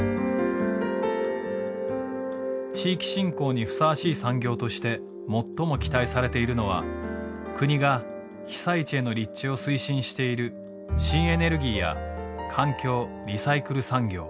地域振興にふさわしい産業として最も期待されているのは国が被災地への立地を推進している新エネルギーや環境・リサイクル産業。